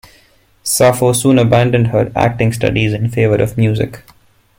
Sapho soon abandoned her acting studies in favor of music.